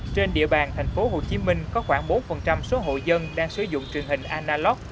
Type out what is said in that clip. trên địa bàn tp hcm có khoảng bốn số hộ dân đang sử dụng truyền hình analog